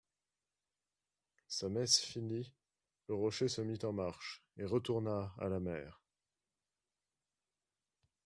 Sa messe finie, le rocher se mit en marche et retourna à la mer.